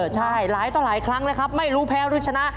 ใช่หลายต่อหลายครั้งแล้วครับไม่รู้แพ้หรือชนะ